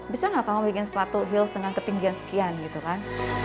bisa nggak kamu bikin sepatu hills dengan ketinggian sekian gitu kan